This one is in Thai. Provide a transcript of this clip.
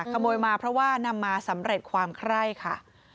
ขโมยมาเพราะว่านำมาสำเร็จความไคร่ค่ะ